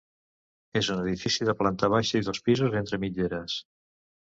És un edifici de planta baixa i dos pisos entre mitgeres.